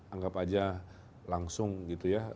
anggap aja langsung gitu ya